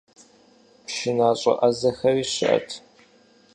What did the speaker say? ПшынащӀэ Ӏэзэхэри щыӀэт.